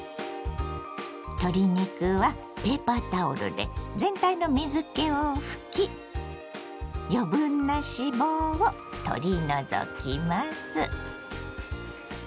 鶏肉はペーパータオルで全体の水けを拭き余分な脂肪を取り除きます。